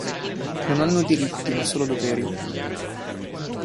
Non hanno diritti, ma solo doveri.